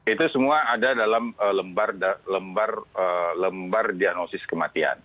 itu semua ada dalam lembar diagnosis kematian